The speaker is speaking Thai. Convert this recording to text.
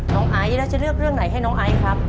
ไอซ์แล้วจะเลือกเรื่องไหนให้น้องไอซ์ครับ